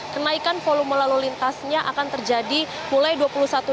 kenaikan volume lalu lintasnya akan terjadi mulai dua puluh satu mei